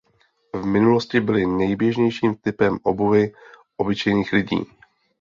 V minulosti byly nejběžnějším typem obuvi obyčejných lidí.